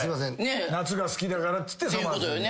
夏が好きだからっつって「さまぁず」に。